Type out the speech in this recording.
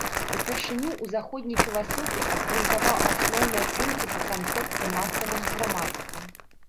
Упершыню ў заходняй філасофіі абгрунтаваў асноўныя прынцыпы канцэпцыі масавага грамадства.